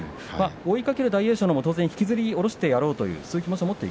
追いかける大栄翔も当然引きずりおろしてやろう